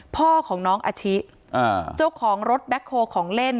พ่อของน้องอาชิเจ้าของรถแบ็คโฮลของเล่น